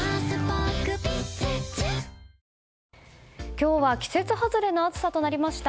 今日は季節外れの暑さとなりました。